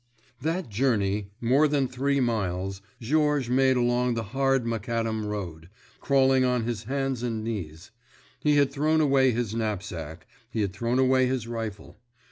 That journey—more than three miles—Georges made along the hard macadam road, crawling on his hands and knees. He had thrown away his knapsack, he had thrown away his rifle.